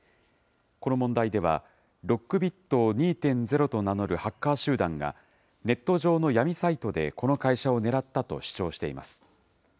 この問題では、ＬｏｃｋＢｉｔ２．０と名乗るハッカー集団が、ネット上の闇サイトでこの会社を狙ったと主張しています。